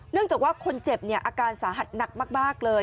จากว่าคนเจ็บอาการสาหัสหนักมากเลย